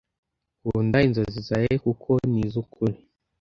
kunda inzozi zawe kuko ni iz’ukuri